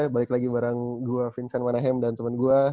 balik lagi bareng gue vincent manahem dan temen gue